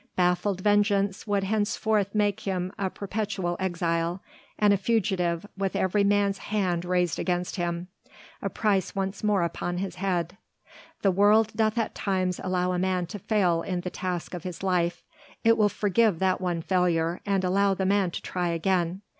Baffled vengeance would henceforth make him a perpetual exile and a fugitive with every man's hand raised against him, a price once more upon his head. The world doth at times allow a man to fail in the task of his life, it will forgive that one failure and allow the man to try again.